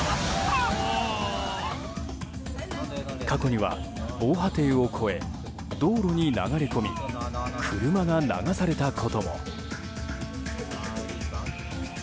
過去には防波堤を越え道路に流れ込み車が流されたことも。